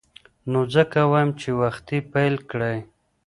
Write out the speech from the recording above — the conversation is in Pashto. نو ځکه وایم چې وختي پیل کړئ.